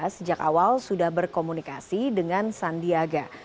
sejak awal sudah berkomunikasi dengan sandiaga